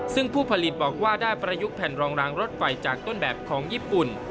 ซึ่งผู้ผลิตบอกว่าได้ประยุกต์แผ่นรองรางรถไฟจากต้นแบบของญี่ปุ่น